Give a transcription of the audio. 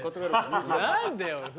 何でよ